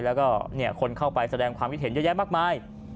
แล้วก็คนเข้าไปแสดงความคิดเห็นเยอะแยะมากมาย